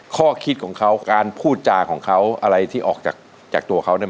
ข้อคิดของเขาการพูดจาของเขาอะไรที่ออกจากตัวเขาเนี่ย